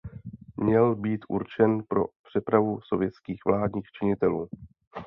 Měl být určen pro přepravu sovětských vládních činitelů.